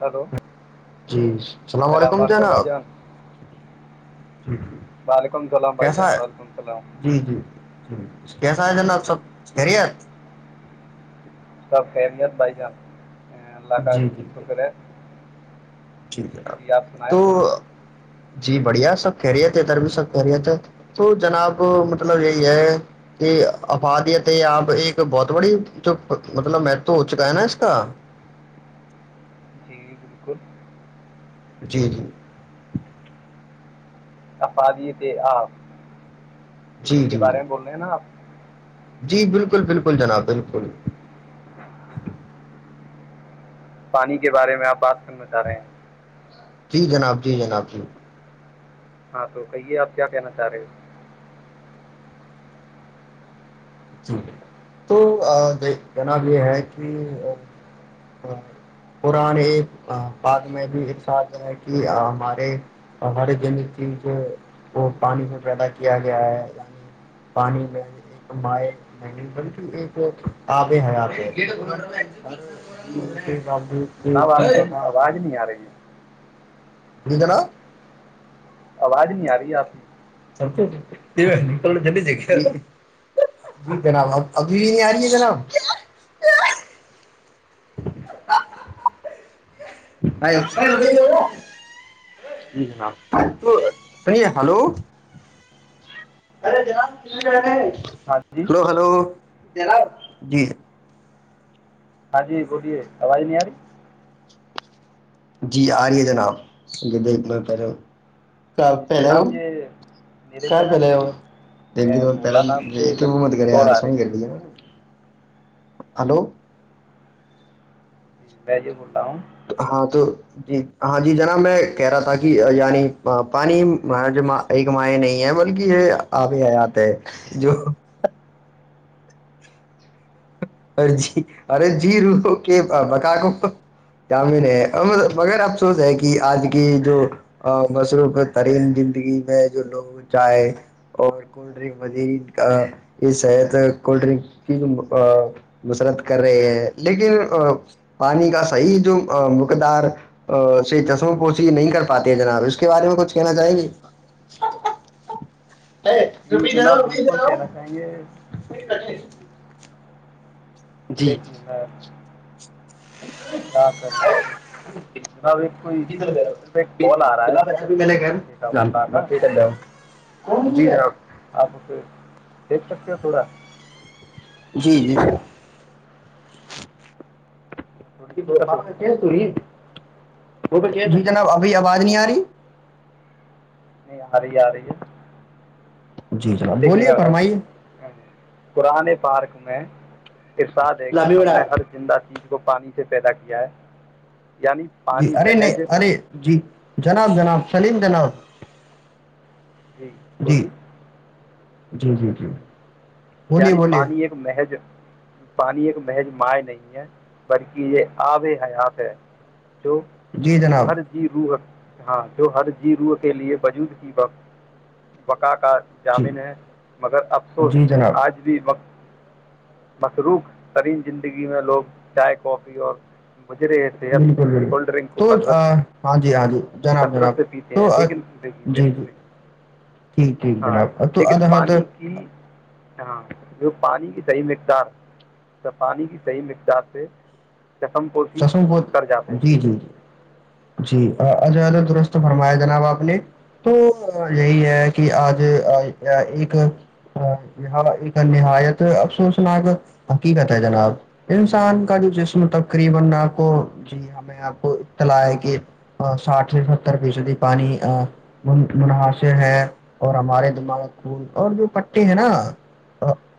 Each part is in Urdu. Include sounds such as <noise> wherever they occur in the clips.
ہلو جی السلام سلموالیکم علیکم بھائی جناب جان وعلیکم السلام بھائی کیسا جان وعلیکم السلام آ ج نا آپ سب کرری ہےت خرییات بھائی جان ا اللہ کاا سک رہ ٹھیک ہے نب تو جی بڑھیا سب خہریت ہے تر بھی سب خہریت ہے تو جناب مطلب یہی ہے کہ افادیت آپ ایک بہت بڑی جو مطلب متو ہو چکا ہے نا اس کا جیی بالکل جی جی افادی تھ آپ جی اسی کے جی بارے میں بول رہے ہیں نا آپ جی بالکل بالکل جناب بالکل پانی کے بارے میں آپ بات سننا چاہ رہے ہیں جی جناب جی جناب جی ہاں تو کہیے آپ کیا کہنا چاہ رہے ہو جی تو جناب یہ ہے کہ پران بد میں بھی ایک ساتھ ہے کہ ہمارے ہر جند چیز وہ پانی سے پیدا کیا گیا ہے یعنی پانی میں ایک مائ <unintelligible> جناب آپ کی پتا آواز نہیں آ رہی ہے اڑ ج نا آواز نہیں آ رہی ہے آپ کی <unintelligible> <unintelligible> <unintelligible> ہاں جی <unintelligible> ہاں جی بولیے آواز نہیں آ رہی جی آ رہی ہے جناب پے ک رہی جی پہ ل گ جناب یہ میرے کھر پہ نا ل کسی د اے، گ د بولا نام کے پہل لڑکے بومت کی کرے کال ار آ رہی سونی کرد ہے <unintelligible> وجے پور ٹاؤن ہاں تو جی ہاں جی جناب میں کہہ رہا تھا کہ یعنی پانی جو ایک مائ نہیں ہے بلکہ یہ آگے حیات ہے جو جی ارے جی روح کے بکا کومن ہے مگر افسوس ہے کہ آج کی جو مصروف ترین زندگی میں جو لوگ چائے اور کولڈ ڈرک یہحت کولڈ ڈنک کی مسرت کر رہے ہیں لیکن پانی کا صحیح جو مقدار سے چشموں پوسیی نہیں کر پاتے ہے جناب اس کے بارے میں کچھ کہنا چاہیں گے رپ دا جی بھی د رہ جناب بالکل کہنا چاہیں گے ٹھیک دیکھنی ہے تو جناب ایک کوئی صرف ایک کال آ رہا ہے کسی لڑکے کا بولا کا <unintelligible> جی ہاں <unintelligible> جی جی تھوڑی ب دقت بپا ہو رہی کہس ت ہے یہ <unintelligible> وہ جی جناب ابھی آواز نہیں آ رہی نہیں آ رہی آ رہی ہے جی جناب دیکھیے بولیے میں ہ فرمائیے پرانے پارک س میں <unintelligible> ارسادے کہ لامی ہم بڑا نے ہر زندہ چی کو پانی سے پیدا کیا ہے یعنی جی پانی ارے نہیں محض ارے جی جناب جناب سلندنا <unintelligible> جی بولیے جی جی جی بولیے یعنی بولیے پانی ایک محج پانی ایک محج مائ نہیں ہے بلکہ یہ آب حیات ہے جو جی جناب ہر جیو روح ہاں جو ہر جییرو کے لیے وجود کی وقت وقت کا جی جامن ہے مگر افسوس جی جناب آج بھی وقت مصروق ترین زندگی میں لوگ چائے کافی اور مجرے صحت بالکل بالکل کولڈ ڈرنک کو تو کثرت ہاں جی ہاں جی جناب کثرت جناب سے پیتے تو ہیں لیکن دیکھیے میری جی جی سنیے ٹھیک ٹھیک ہاں جناب تو لیکن اد ح پانی کی جو پانی کی صحیح مقدار پانی کی صحیح مقدار سے چشم پوشی چسم بہت کر جاتے ہیں جی جی جی جی عدہ درست فرمایا جناب آپ نے تو یہی ہے کہ آج ایک یہاں ایک نہایت افسوسناک حقیقت ہے جناب انسان کا جو جسم جی تب جناب تقریباآپ کو جی ہمیں آپ کو اطلاع ہے کہ ساٹھ سے ستر فیصدی پانین منحصر ہے اور ہمارے دماغول اور جو پٹے ہیں نا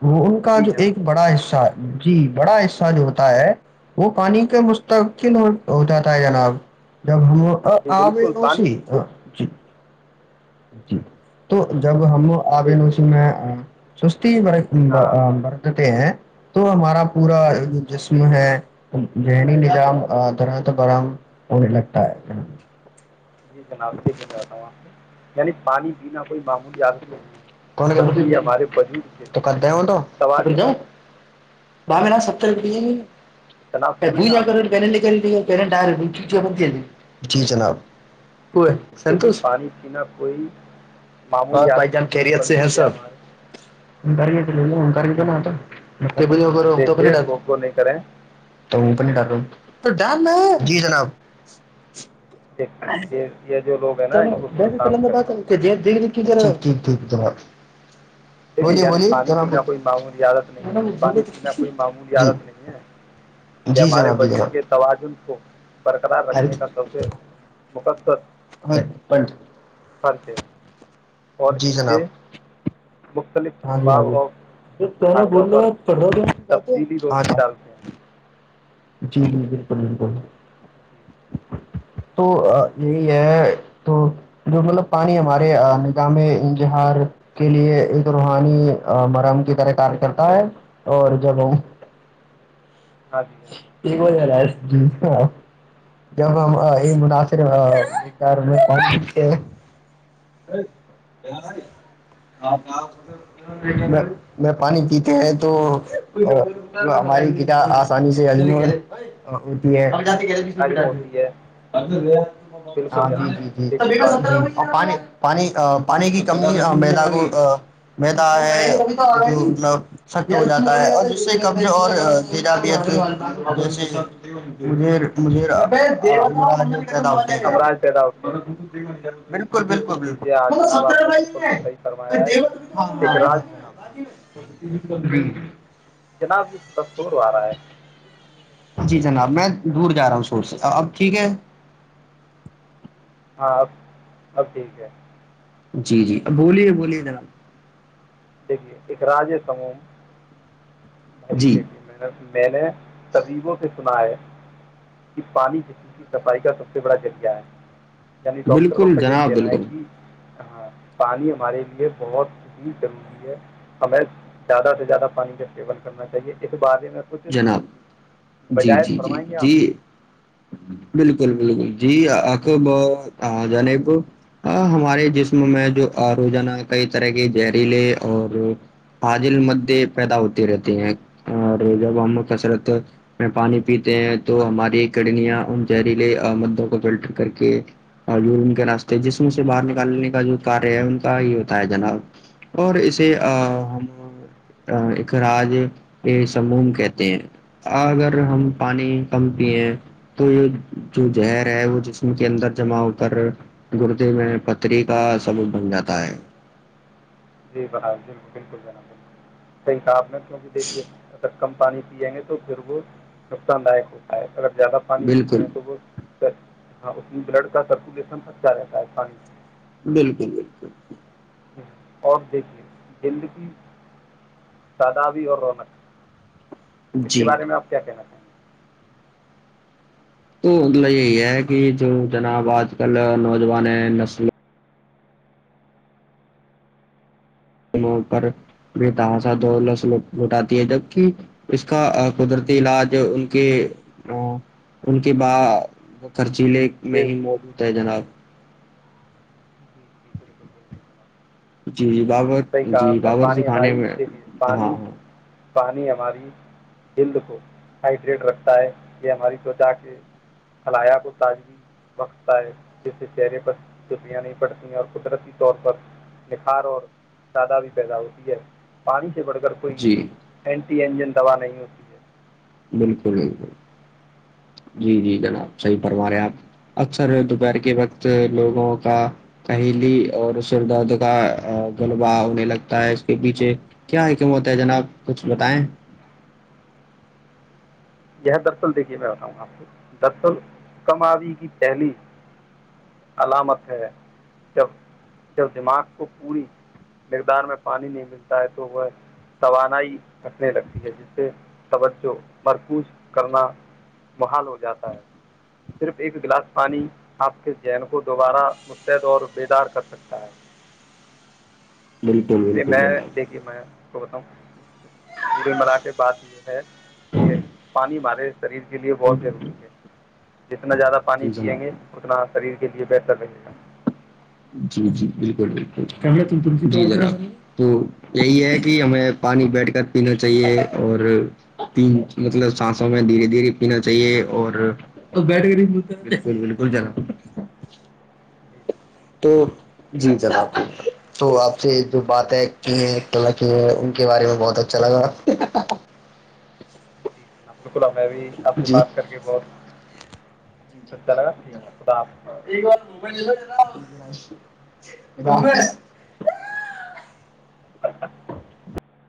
وہ ان کا جی جو جناب ایک بڑا حصہ ہے جی بڑا حصہ جو ہوتا ہے وہ پانی کے مستقل ہو ہو جاتا ہے جناب جب م جی آ بالکل تو س پانی وہ ج جی تو جب ہم آل چ دیکھیے میں سست ہاں ہاں وردتے تو ہمارا پورا ہوں، جو جسم ہے ذہنی نظام درحت برہم ہونے لگتا ہے جی جناب دیکھیے میں بتاؤوں آپ کو یعنی پانی پینا معمولی لت نہیں کون ہے بلکہ یہ ہمارے وجود کے تو کرتے توجن بمین ستر روپ جناب پ سن رہے بو ہیں نہ آپ کرو پہنے نکل رہی ہے پ ڈ جی جناب دھی سنتوش پانی پینا کوئی اور معمولی پائی عادت جان نہیں ہے خریت سے ح بلکہ یہ صب ہمارے انکار کیا متا بجے ویر تو پ نہیں دیکھیے ڈس گو گو نہیں کریں تو ا پ نہیں ڈر رہ تو ڈرنا جی جناب د یہ جو لوگ ہیں تو نا ان کو تھوڑا جیسے تند شانت بادات کرنا د کی طر کی ک توار دیکے یعنی پانی پینا کوئی معمولی عادت نہیں ہے بولو پانی تو پینا کوئی معمولی جی عادت نہیں ہے یہ جی ہمارے جناب جی بجود کے جناب توازن کو برقرار رکھنے کا سب سے مقصر ہ پن خر سےے جی جناب مختلف ہاں جی ہاں اسباب جی اور جو بول فائدوں پر رہو آپ تفصیلی روشنی کو ڈالتے ہیں جی جی بالکل بالکل جی تو یہی ہے تو جو مطلب پانی ہمارے نگاہ انظہار کے لیے ایک روحانی مرم کی طرح کار کرتا ہے اور جگوں ااںھا ج جب ہم مناثر میں پیتے ہیں پانی پیتے ہیں تو ہماری آسانی سے آدمی ہوتی ہے حجم ہوتی ہے ڈ بالکل جناب دیکھیے ل پانی سب پانی <unintelligible> جیسے م م امراض پیدا ہوتے ہیں <inaudible> بکل بالکل جی بالکل جی آج م جناب آپ سر نے بالکل صحیح فرمایا ہے اخراج ب <inaudible> <unintelligible> جی جناب میں دور جا رہا ہوں شور سے اب ٹھیک ہے ہاں اب اب ٹھیک ہے جی جی بولیے بولیے ر دیکھیے ایک راجے سموم ب جی میں نے میں نے طبیبوں سے سنا ہے کہ پانی جس کی صفائی کا سب سے بڑا ذریعہ ہے یعنی ڈاکٹروں بالکل کا یہ جناب کہنا ہے بالکل کہ ہاں پانی ہمارے لیے بہت ہی ضروری ہمیں زیادہ سے زیادہ پانی کا استعمال کرنا چاہیے اس بار جناب جی جی جی فرمائیں گے آپ جی بالکل بالکل جی آب جانب ہمارے جسم میں جو روزانہ کئی طرح کے جہریلے اور حاجل مدے پیدا ہوتے رہتے ہیں جب ہم جی جی کثرت میں پانی پیتے ہیں تو ہماری کرنیاں ان زہریلے مادوں کو فلٹر کر کے کے راستے جسم سے باہر نکالنے کا جو کار ہے ان کا یہ ہوتا ہے جناب اور اسے جی ہم ایک راج سموم کہتے ہیں اگر ہم پانی کم پیے تو یہ جو زہر ہے وہ جسم کے اندر جمع ہو کر گردے میں پتھری کا سثبوت بن جاتا ہے <unintelligible> <unintelligible> کم پانی پییں گے تو پھر وہ نقصان داک ہوتا ہے اگر زیادہ پانی پیتے بالکل ہیں تو وہ ہاں اس میں بلڈ کا سرکولیشن اچھا رہتا ہے پانی بالکل بالکل <unintelligible> اس کے جی بارے میں آپ کیا کہنا چاہیں گے تو مطلب یہی ہے کہ جو جناب آج کل نوجوانیں نسل <unintelligible> ضلے میں بے ہی موجود ہے جناب جی جی بالکل بالکل جناب جی جی باور صحیح کہا جی آپ نے باوچی پانی خانے ہماری میں دیکھیے ہاں پانی ہاں پانی ہماری جلد کو ہائڈریٹ رکھتا ہے یہ ہماری طچا کے خلایا کو تازگی رکھتا ہے جس سے چہرے پر چھپیاں نہیں پڑتی ہیں اور قدرتی طور پر نکھار اور زیادہ بھی پیدا ہوتی ہے پانی پڑھ کر کوئی جی اینٹ انجن دوا نہیں ہوتی ہے بالکل بالکل جی جی جناب صحیح فرما رہے آپ اکثر دوپہر کے وقت لوگوں کا سہیلی اور سر درد کا گغلبہ ہونے لگتا ہے اس کے پیچھے کیا حکمت ہے جناب کچھ بتائیں یہ درصل دیکھیے میں بتاؤں گا آپ کو درصل کموی کی پہلی علامت ہے جب جب دماغ کو پوری مقدار میں پانی نہیں ملتا ہے تو وہ توانائی کٹنے لگتی ہے جس سے توجہ مرکوز کرنا محال ہو جاتا ہے صرف ایک گلاس پانی آپ کے ذہن کو دوبارہ متعد اور بیدار کر سکتا ہے بالکل اس لیے بالکل ج میں دیکھیے میں آپ کو بتاؤں پورے ملا کے بات یہ ہے کہ پانی ہمارے شریر کے لیے بہت ضروری ہے جتنا زیادہ پانی جی پیئیں گے جناب اتنا <unintelligible> <unintelligible> <unintelligible> جی جناب تو جی جناب تو آپ سے جو بات ہے کی ہے ا کی ہیں ان کے بارے میں بہت اچھا لگا جی جناب بالکل ابیں بھی آپ سے جی بات کر کے بہت اچا لگا ٹھیک خدا آپ <inaudible>